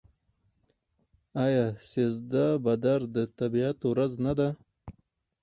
آیا سیزده بدر د طبیعت ورځ نه ده؟